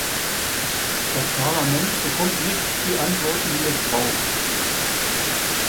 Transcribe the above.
Das Parlament bekommt nicht die Antworten, die es braucht.